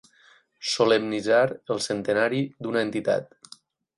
Solemnitzar el centenari d'una entitat.